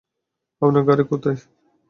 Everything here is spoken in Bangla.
আপনার গাড়ি কোথায়?